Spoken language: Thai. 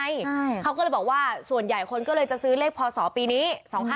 ใช่เขาก็เลยบอกว่าส่วนใหญ่คนก็เลยจะซื้อเลขพศปีนี้๒๕๖